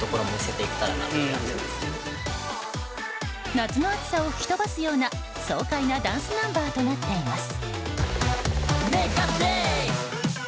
夏の暑さを吹き飛ばすような爽快なダンスナンバーとなっています。